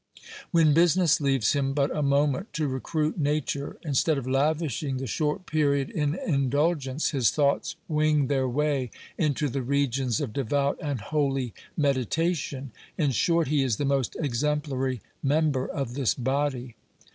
When business leaves him but a moment to recruit nature, instead of lavishing the short period in indulgence, his thoughts GIL BLAS EXHORTED TO PIETY. 353 ■wing their way into the regions of devout and holy meditation. In short, he is the most exemplary member of this body.